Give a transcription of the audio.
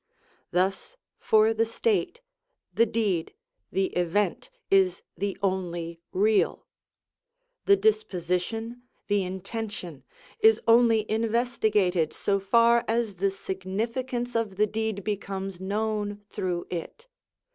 Thus for the state the deed, the event, is the only real; the disposition, the intention, is only investigated so far as the significance of the deed becomes known through it.